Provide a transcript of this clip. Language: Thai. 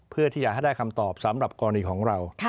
เพื่อที่จะให้ได้คำตอบสำหรับกรณีของเรา